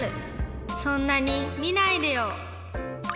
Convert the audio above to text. そんなにみないでよ。